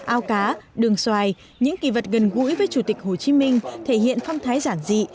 ao cá đường xoài những kỳ vật gần gũi với chủ tịch hồ chí minh thể hiện phong thái giản dị